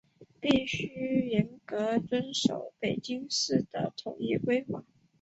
必须严格遵守北京市的统一规范